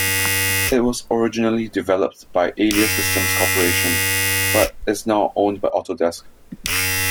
It was originally developed by Alias Systems Corporation, but is now owned by Autodesk.